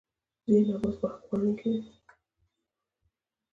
ځینې نباتات غوښه خوړونکي دي